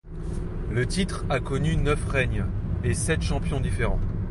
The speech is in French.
Le titre a connu neuf règnes et sept champions différents.